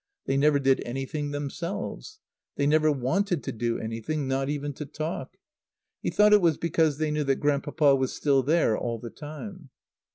They never did anything themselves. They never wanted to do anything; not even to talk. He thought it was because they knew that Grandpapa was still there all the time.